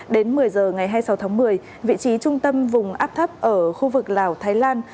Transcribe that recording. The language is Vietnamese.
đến một mươi giờ ngày hai mươi sáu tháng một mươi vị trí trung tâm vùng áp thấp ở khu vực lào thái lan